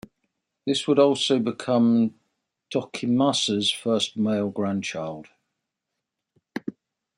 This would also become Tokimasa's first male grandchild.